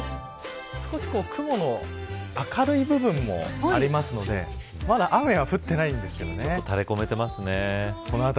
少し雲が明るい部分もあるので雨は降っていないですね。